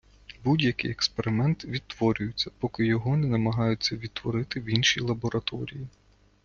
Будь-який експеримент відтворюється, поки його не намагаються відтворити в іншій лабораторії.